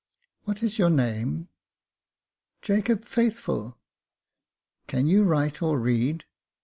" What is your name ?"" Jacob Faithful." " Can you write or read